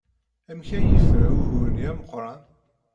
Amek ay yefra ugur-nni ameqran?